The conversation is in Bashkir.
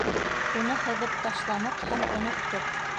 Уны һыҙып ташланыҡ һәм оноттоҡ!